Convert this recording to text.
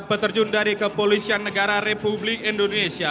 peterjun dari kepolisian negara republik indonesia